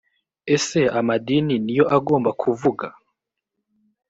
ese amadini ni yo agomba kuvuga